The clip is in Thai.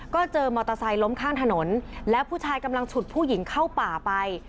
ก็เจอมอเตอร์ไซค์ล้มข้างถนนแล้วผู้ชายกำลังฉุดผู้หญิงเข้าป่าไป